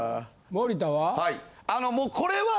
森田は？